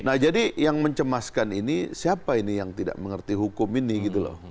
nah jadi yang mencemaskan ini siapa ini yang tidak mengerti hukum ini gitu loh